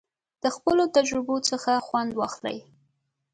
د خپلو تجربو څخه خوند واخلئ.